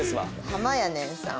はまやねんさん。